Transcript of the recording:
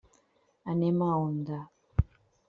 Anem a Onda.